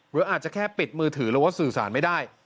หรืออาจจะแค่ปิดมือถือหรือว่าสื่อสารไม่ได้